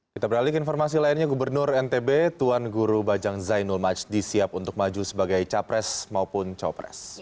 kita beralih ke informasi lainnya gubernur ntb tuan guru bajang zainul majdi siap untuk maju sebagai capres maupun copres